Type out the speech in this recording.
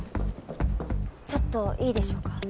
ちょっといいでしょうか？